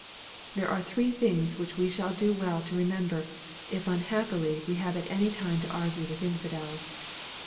There are three things which we shall do well to re member, if unhappily we have at any time to argne with infidels.